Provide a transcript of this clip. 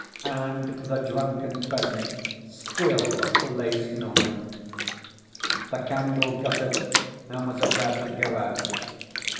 And the drunken peasant still lay snoring. The candle guttered and was about to go out.